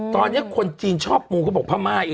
ตอนนี้คนจีนชอบมูเขาบอกพม่าเอง